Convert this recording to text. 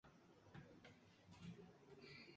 Las fotografías cubren todo el espectro temático.